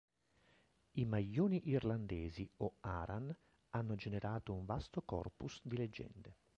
I maglioni irlandesi, o Aran, hanno generato un vasto corpus di leggende.